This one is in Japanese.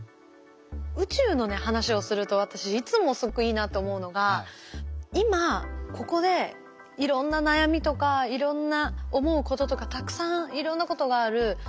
宇宙の話をすると私いつもすごくいいなと思うのが今ここでいろんな悩みとかいろんな思うこととかたくさんいろんなことがある。